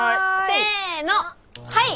せのはい！